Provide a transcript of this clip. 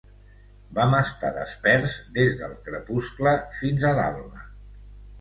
Vam estar desperts des del crepuscle fins a l'alba.